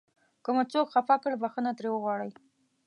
که مو څوک خفه کړ بښنه ترې وغواړئ.